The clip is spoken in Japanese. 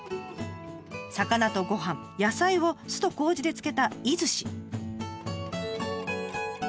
魚とご飯野菜を酢とこうじで漬けた「飯寿司」。